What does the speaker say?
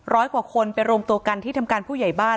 ร้อยกว่าคนไปรวมตัวกันที่ทำการผู้ใหญ่บ้าน